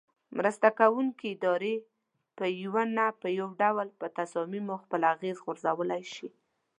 مرسته ورکوونکې ادارې په یو نه یو ډول په تصامیمو خپل اغیز غورځولای شي.